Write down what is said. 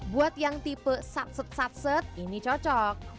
buat yang tipe satset satset ini cocok